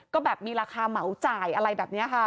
ก็แบบมีราคาเหมาจ่ายอะไรแบบนี้ค่ะ